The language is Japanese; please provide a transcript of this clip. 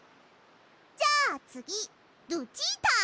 じゃあつぎルチータ！